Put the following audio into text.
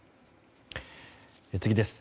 次です。